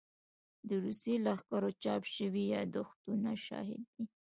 د روسي لښکرو چاپ شوي يادښتونه شاهد دي.